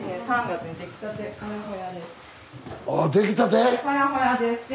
あできたて？